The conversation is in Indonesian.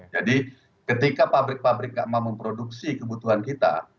jadi ketika pabrik pabrik gak memproduksi kebutuhan kita